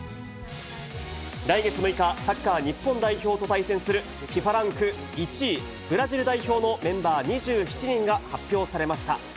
来月６日、サッカー日本代表と対戦するＦＩＦＡランク１位、ブラジル代表のメンバー２７人が発表されました。